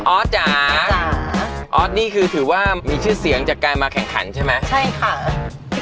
อสจ๋าออสนี่คือถือว่ามีชื่อเสียงจากการมาแข่งขันใช่ไหมใช่ค่ะ